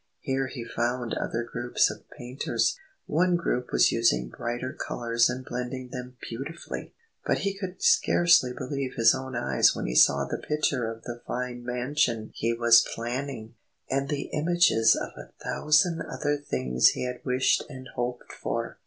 Here he found other groups of painters. One group was using brighter colours and blending them beautifully. But he could scarcely believe his own eyes when he saw the picture of the fine mansion he was planning, and the images of a thousand other things he had wished and hoped for.